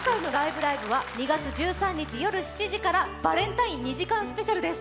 ライブ！」は、２月１３日、夜７時からバレンタイン２時間スペシャルです。